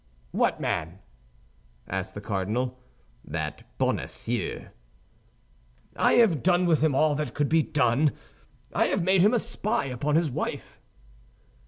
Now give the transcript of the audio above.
"What man?" asked the cardinal. "That Bonacieux." "I have done with him all that could be done. I have made him a spy upon his wife."